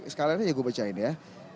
sekarang ini aja gue bacain ya